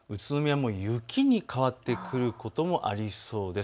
もう雪に変わってくることもありそうです。